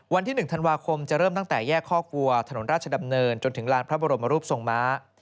วันที่๑ธันวาคมจะเริ่มตั้งแต่แยกข้อกลัวถนนราชดำเนินจนถึงลานพระบรมรูปทรงม้า